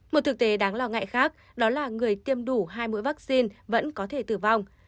một thực tế đáng lo ngại khác đó là người tiêm đủ hai mũi vaccine vẫn có thể tử vong